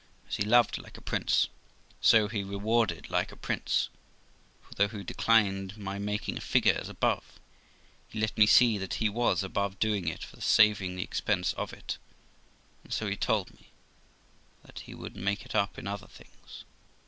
As he loved like a prince, so he rewarded like a prince; for though he declined my making a figure, as above, he let me see that he was above doing it for the saving the expense of it, and so he told me, and that he would make it up in other things.